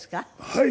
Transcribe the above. はい。